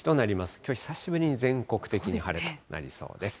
きょう久しぶりに全国的に晴れとなりそうです。